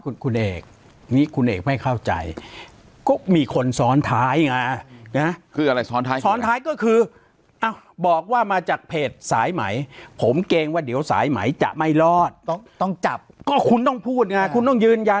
คุณคุณเอกนี้คุณเอกไม่เข้าใจก็มีคนซ้อนท้ายไงนะ